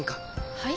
はい？